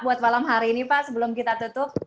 buat malam hari ini pak sebelum kita tutup